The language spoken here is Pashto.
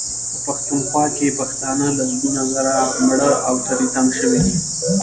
په پښتونخوا کې پښتانه لسګونه زره مړه او تري تم شوي دي.